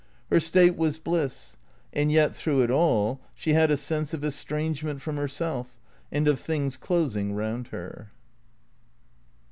Her state was bliss; and yet, through it all she had a sense of estrangement from herself, and of things closing round her.